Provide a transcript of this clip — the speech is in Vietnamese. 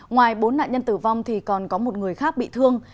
ngoài bốn nạn nhân tử vong thì còn có một người khác bị thương